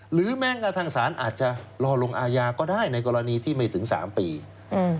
หรือแม้กระทั่งสารอาจจะรอลงอาญาก็ได้ในกรณีที่ไม่ถึงสามปีอืม